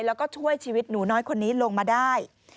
แล้วก็ช่วยชีวิตหนูน้อยคนนี้ลงมาได้